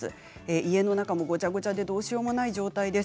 家の中もごちゃごちゃでどうしようもない状態です。